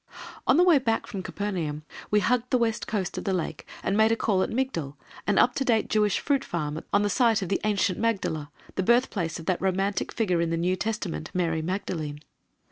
On the way back from Capernaum we hugged the west coast of the Lake and made a call at Migdal, an up to date Jewish fruit farm on the site of the ancient Magdala, the birthplace of that romantic figure in the New Testament, Mary Magdalene.